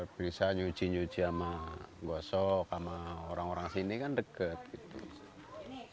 di pasar bisa nyuci nyuci sama bosok sama orang orang sini kan deket gitu